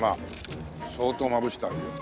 相当まぶしてあるよ。